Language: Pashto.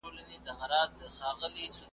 هر محفل ته به په یاد یم له زمان سره همزولی ,